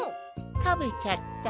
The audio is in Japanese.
たべちゃった。